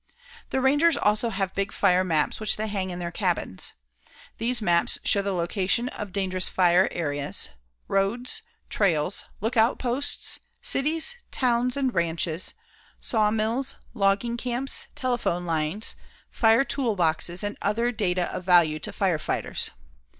The rangers also have big fire maps which they hang in their cabins. These maps show the location of dangerous fire areas, roads, trails, lookout posts, cities, towns and ranches, sawmills, logging camps, telephone lines, fire tool boxes and other data of value to fire fighters.